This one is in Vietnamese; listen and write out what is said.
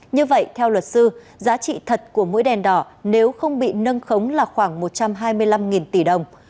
như vậy theo luật sư giá trị thật của mũi đèn đỏ nếu không bị nâng khống là khoảng một trăm hai mươi năm tỷ đồng